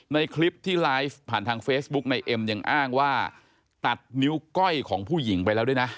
ในคลิปที่ไลฟ์ผ่านทางเฟซบุ๊กในเอ็มยังอ้างว่าตัดนิ้วก้อยของผู้หญิงไปแล้วด้วยนะ